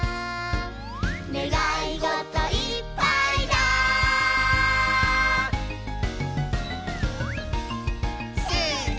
「ねがいごといっぱいだ」せの！